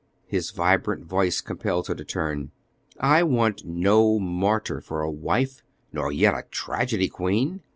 His vibrant voice compelled her to turn. "I want no martyr for a wife, nor yet a tragedy queen.